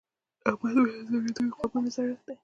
احمد وويل: ځړېدلي غوږونه زړښت دی.